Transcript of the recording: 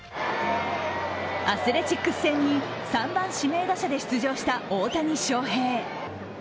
アスレチックス戦に３番・指名打者で出場した大谷翔平。